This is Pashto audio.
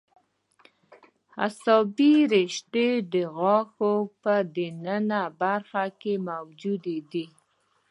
عصبي رشتې د غاښ په د ننه برخه کې موجود دي.